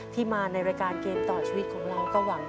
ที่มาในรายการเกมต่อชีวิตของเราก็หวัง